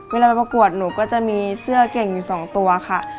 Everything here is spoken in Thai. เวลาไปประกวดหนูก็จะมีเสื้อเก่งอยู่๒ตัวค่ะ